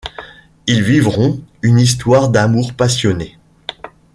Ils vivront une histoire d'amour passionnée.